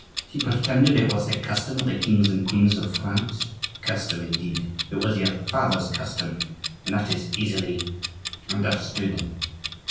She pretended it was the custom of the kings and queens of France. Custom, indeed! it was your father's custom, and that is easily understood.